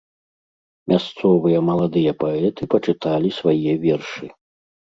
Мясцовыя маладыя паэты пачыталі свае вершы.